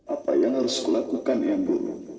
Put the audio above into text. apa yang harus kulakukan ibu